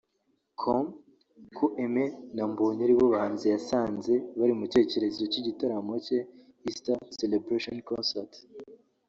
com ko Aime na Mbonyi ari bo bahanzi yasanze bari mu cyerekezo cy'igitaramo cye 'Easter Celebration Concert'